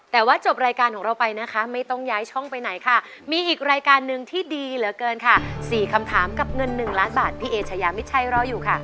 แต่ว่าจบรายการของเราไปนะคะไม่ต้องย้ายช่องไปไหนค่ะมีอีกรายการหนึ่งที่ดีเหลือเกินค่ะ๔คำถามกับเงิน๑ล้านบาทพี่เอชายามิดชัยรออยู่ค่ะ